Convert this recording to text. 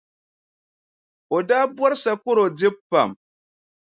O daa bɔri sakɔro dibu pam.